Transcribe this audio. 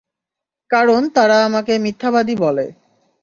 কারণ, তারা আমাকে মিথ্যাবাদী বলে।